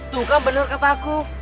tuh kan bener kataku